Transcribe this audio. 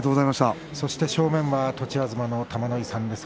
そして正面は栃東の玉ノ井さんです。